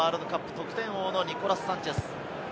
得点王のニコラス・サンチェス。